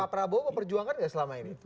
pak prabowo mau berjuang kan ya selama ini